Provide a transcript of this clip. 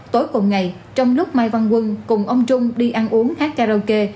tối cùng ngày trong lúc mai văn quân cùng ông trung đi ăn uống hát karaoke